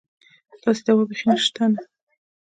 داسې دوا بېخي شته نه.